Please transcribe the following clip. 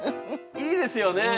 いいですよね！